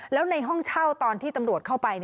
แล้วในห้องเช่าตอนที่ตำรวจเข้าไป